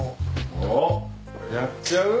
おやっちゃう？